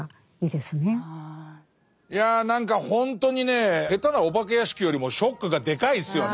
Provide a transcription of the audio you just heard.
いや何かほんとにね下手なお化け屋敷よりもショックがでかいですよね。